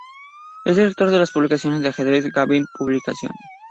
Es director de las publicaciones de ajedrez "Gambit Publications".